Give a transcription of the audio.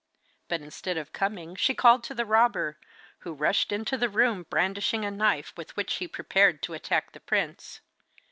But instead of coming she called to the robber, who rushed into the room brandishing a knife, with which he prepared to attack the prince.